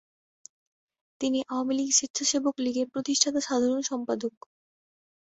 তিনি আওয়ামী স্বেচ্ছাসেবক লীগের প্রতিষ্ঠাতা সাধারণ সম্পাদক।